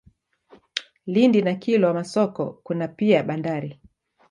Lindi na Kilwa Masoko kuna pia bandari.